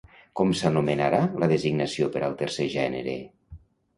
Com s'anomenarà la designació per al tercer gènere?